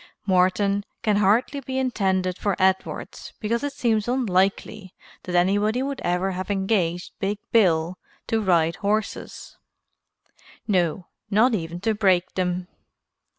Morton can hardly be intended for Edwards because it seems unlikely that anybody would ever have engaged Big Bill to ride horses; no, not even to break them.